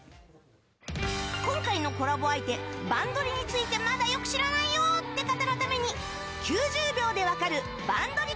今回のコラボ相手「バンドリ！」についてまだよく知らないよって方のために９０秒で分かる「バンドリ！」